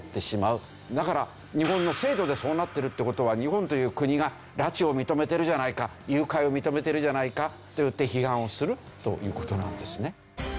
だから日本の制度でそうなってるって事は日本という国が拉致を認めてるじゃないか誘拐を認めてるじゃないかといって批判をするという事なんですね。